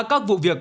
các vụ việc